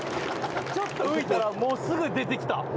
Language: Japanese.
ちょっと浮いたらもうすぐ出てきた。